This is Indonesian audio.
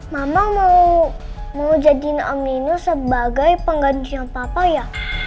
mama mau jadiin om nino sebagai penggantian papa ya